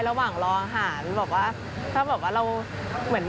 ระหว่างรออาหารบอกว่าถ้าแบบว่าเราเหมือน